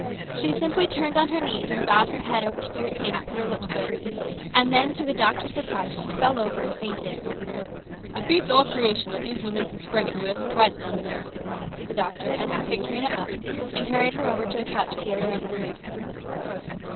She simply turned on her knees and bowed her head over Stuart's hand and put her lips to it, and then, to the doctor's surprise she fell over and fainted. " It beats all creation what these women can spring in the way of surprises on a man !" said the doctor as he picked Rhena up and carried her over to a couch at the other end of the room.